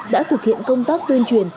đã thực hiện công tác tuyên truyền